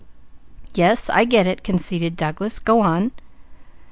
"Yes, I get it," conceded Douglas. "Go on!"